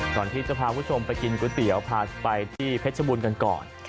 ก่อนที่จะพาคุณผู้ชมไปกินก๋วยเตี๋ยวพาไปที่เพชรบูรณ์กันก่อน